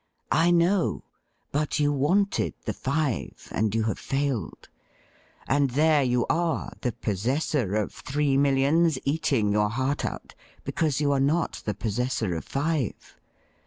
' I know ; but you wanted the five, and you have failed ; and there you are, the possessor of three millions, eating your heart out because you are not the possessor of five